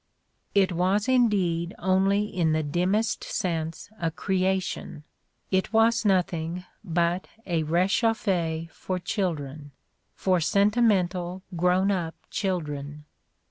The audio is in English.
It was indeed only in the dimmest sense a creation; it was nothing but a rechauffe for children, for sentimental, grown up chil dren.